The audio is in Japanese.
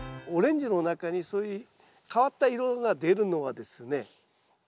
オレンジの中にそういう変わった色が出るのはですね